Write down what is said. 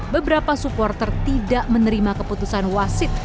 beberapa supporter tidak menerima keputusan wasit